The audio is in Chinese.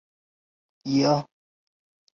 青灰海蛇为眼镜蛇科海蛇属的爬行动物。